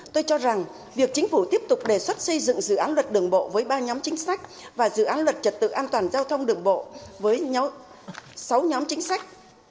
tôi cho rằng việc chính phủ tiếp tục đề xuất xây dựng dự án luật đường bộ với ba nhóm chính sách và dự án luật trật tự an toàn giao thông đường bộ với sáu nhóm chính sách